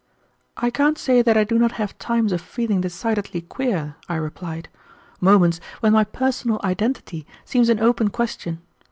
"I can't say that I do not have times of feeling decidedly queer," I replied, "moments when my personal identity seems an open question.